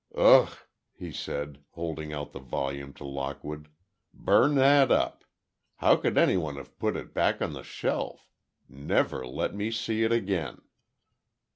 "Ugh!" he said, holding out the volume to Lockwood, "burn that up. How could anyone have put it back on the shelf? Never let me see it again!"